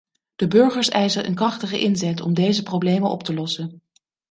De burgers eisen een krachtige inzet om deze problemen op te lossen.